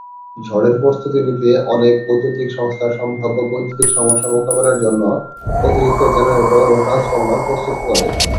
ঝড়ের প্রস্তুতি নিতে, অনেক বৈদ্যুতিক সংস্থা সম্ভাব্য বৈদ্যুতিক সমস্যা মোকাবেলার জন্য অতিরিক্ত জেনারেটর ও ট্রান্সফর্মার প্রস্তুত করে।